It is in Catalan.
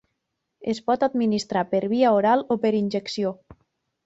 Es pot administrar per via oral o per injecció.